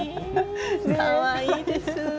かわいいです。